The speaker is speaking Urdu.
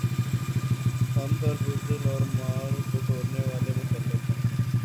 ہم پر بزدل اور مال بٹورنے والے مسلط ہیں